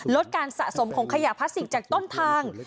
ลดการสะสมของขยะพลาสติกจากต้นทาง